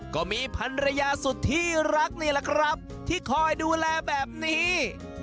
ก็มีพันรยาสุดที่รักนี่แหละครับที่คอยดูแลแบบนี้